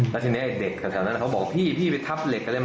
แล้วทีนี้เด็กแถวนั้นเขาบอกพี่พี่ไปทับเหล็กอะไรมา